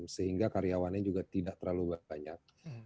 sehingga karyawannya juga tidak terlalu banyak